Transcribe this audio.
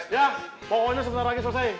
ya pokoknya sebentar lagi selesai